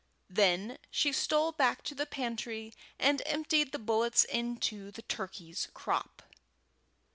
Then she stole back to the pantry and emptied the bullets into the turkey's crop.